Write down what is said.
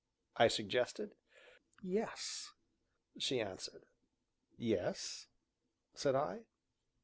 I suggested. "Yes," she answered. "Yes?" said I.